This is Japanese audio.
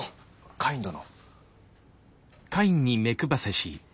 カイン殿。